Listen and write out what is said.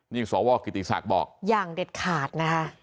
นี่สวกิติศักดิ์บอกอย่างเด็ดขาดนะคะ